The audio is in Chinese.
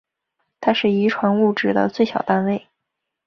它是遗传物质的最小单位。